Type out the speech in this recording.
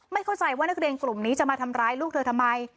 เข้าใจว่านักเรียนกลุ่มนี้จะมาทำร้ายลูกเธอทำไม